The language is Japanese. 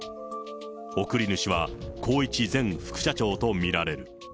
送り主は宏一前副社長と見られる。